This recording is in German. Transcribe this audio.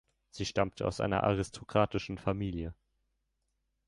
Sie stammte aus einer aristokratischen Familie.